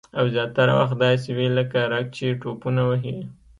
او زیاتره وخت داسې وي لکه رګ چې ټوپونه وهي